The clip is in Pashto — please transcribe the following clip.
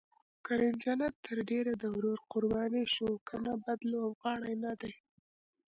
کریم جنت تر ډېره د ورور قرباني شو، که نه بد لوبغاړی نه دی.